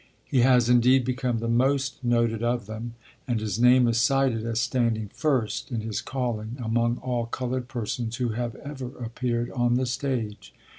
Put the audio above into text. He has indeed become the most noted of them, and his name is cited as standing first in his calling among all colored persons who have ever appeared on the stage.